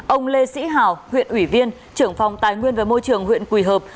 ông lê sĩ hào huyện ủy viên trưởng phòng tài nguyên và môi trường huyện quỳ hợp